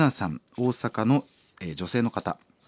大阪の女性の方。